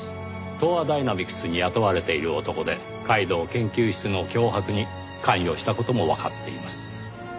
東亜ダイナミクスに雇われている男で皆藤研究室の脅迫に関与した事もわかっています。